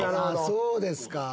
そうですか。